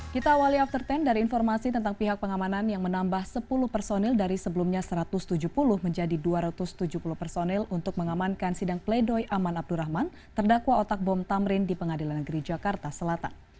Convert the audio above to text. kita awali after sepuluh dari informasi tentang pihak pengamanan yang menambah sepuluh personil dari sebelumnya satu ratus tujuh puluh menjadi dua ratus tujuh puluh personil untuk mengamankan sidang pledoy aman abdurrahman terdakwa otak bom tamrin di pengadilan negeri jakarta selatan